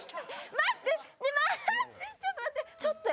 待ってちょっと待って！